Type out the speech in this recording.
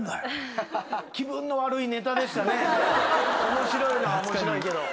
面白いのは面白いけど。